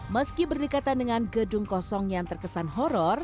meski berdekatan dengan gedung kosong yang terkesan horror